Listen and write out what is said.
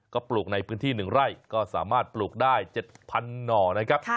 ก็ปลูกในพื้นที่๑ไร่ก็สามารถปลูกได้๗๐๐หน่อนะครับ